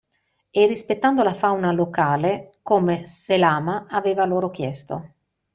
E rispettando la fauna locale, come Selàma aveva loro chiesto.